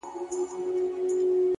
علم د ژوند معنا زیاتوي’